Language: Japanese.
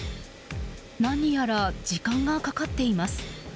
何やら時間がかかっています。